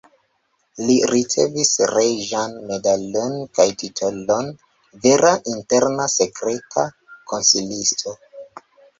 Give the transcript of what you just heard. Li ricevis reĝan medalon kaj titolon "vera interna sekreta konsilisto".